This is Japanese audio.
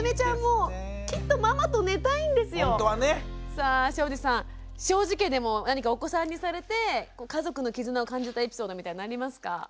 さあ庄司さん庄司家でも何かお子さんにされて家族の絆を感じたエピソードみたいのありますか？